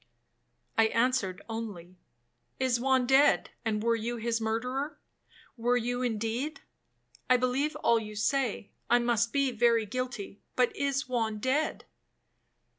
'—I answered only, 'Is Juan dead, and were you his murderer,—were you indeed? I believe all you say, I must be very guilty, but is Juan dead?'